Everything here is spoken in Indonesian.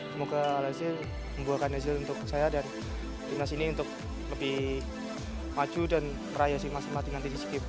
semoga hasil membuahkan hasil untuk saya dan timnas ini untuk lebih maju dan meraih si masyarakat nanti di si game